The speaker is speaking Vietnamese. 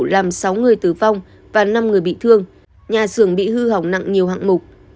làm sáu người tử vong và năm người bị thương nhà xưởng bị hư hỏng nặng nhiều hạng mục